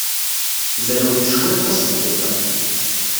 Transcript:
Zerweɣ cwiṭ taṣebḥit-a.